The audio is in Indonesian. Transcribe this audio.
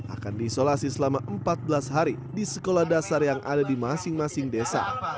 akan diisolasi selama empat belas hari di sekolah dasar yang ada di masing masing desa